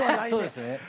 そうですね。